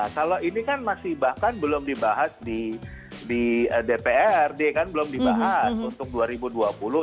kalau ini kan masih bahkan belum dibahas di dprd kan belum dibahas untuk dua ribu dua puluh